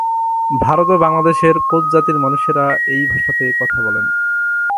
ভারত ও বাংলাদেশের কোচ জাতির মানুষেরা এই ভাষাতে কথা বলেন।